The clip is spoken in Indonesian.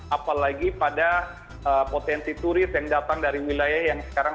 apalagi pada potensi turis yang datang dari wilayah yang sekarang